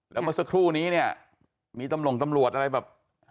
แล้วเมื่อสักครู่นี้เนี่ยมีตำรวจอะไรแบบ